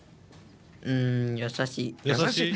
うん優しい。